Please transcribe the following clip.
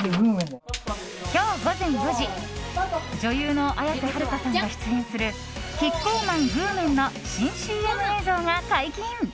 今日午前４時女優の綾瀬はるかさんが出演するキッコーマン具麺の新ＣＭ映像が解禁。